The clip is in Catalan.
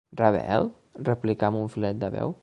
Rebel? —replicà amb un filet de veu—.